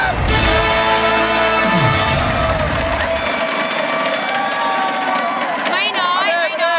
ไม่น้อย